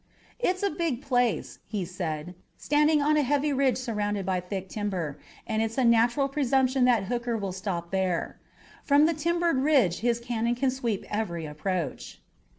"It's a big place," he said, "standing on a heavy ridge surrounded by thick timber, and it's a natural presumption that Hooker will stop there. From the timbered ridge his cannon can sweep every approach."